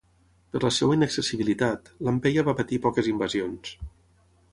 Per la seva innaccessibilitat, Lampeia va patir poques invasions.